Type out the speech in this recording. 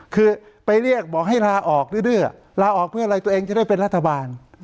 คือไปเรียกบอกให้ลาออกดื้อลาออกเพื่ออะไรตัวเองจะได้เป็นรัฐบาล